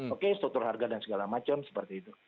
oke struktur harga dan segala macam seperti itu